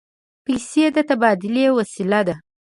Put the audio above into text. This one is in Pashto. پیسې د تبادلې وسیله ده.